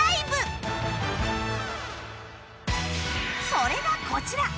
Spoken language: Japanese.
それがこちら